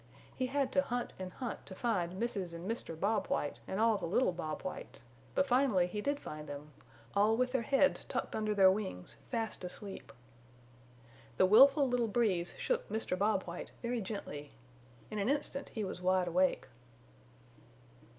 He had to hunt and hunt to find Mrs. and Mr. Bob White and all the little Bob Whites, but finally he did find them, all with their heads tucked under their wings fast asleep. The willful little Breeze shook Mr. Bob White very gently. In an instant he was wide awake.